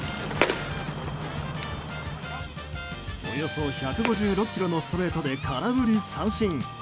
およそ１５６キロのストレートで空振り三振。